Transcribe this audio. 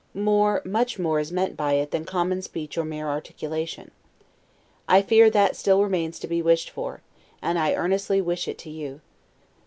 More, much more is meant by it, than common speech or mere articulation. I fear that still remains to be wished for, and I earnestly wish it to you.